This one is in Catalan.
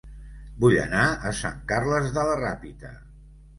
Vull anar a Sant Carles de la Ràpita